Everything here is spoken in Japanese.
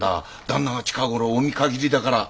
旦那が近ごろお見限りだから。